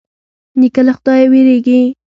نیکه له خدايه وېرېږي.